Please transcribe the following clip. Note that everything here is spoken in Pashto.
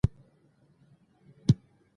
ایا خدای دې ستاسو لاس ته شفا ورکړي؟